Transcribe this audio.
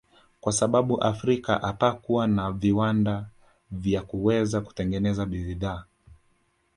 Kwa sababu Afrika hapakuwa na viwanda vya kuweza kutengeneza bidhaa